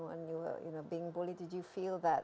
ujian mulai kembali pada umur empat